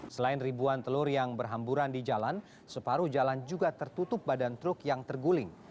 selain ribuan telur yang berhamburan di jalan separuh jalan juga tertutup badan truk yang terguling